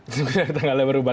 kecuali tanggalnya berubah